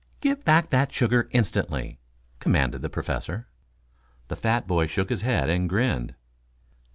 "Give back that sugar, instantly!" commanded the Professor. The fat boy shook his head and grinned.